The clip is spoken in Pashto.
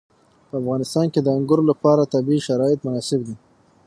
په افغانستان کې د انګور لپاره طبیعي شرایط مناسب دي.